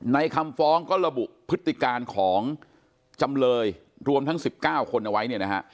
คำฟ้องก็ระบุพฤติการของจำเลยรวมทั้ง๑๙คนเอาไว้เนี่ยนะฮะ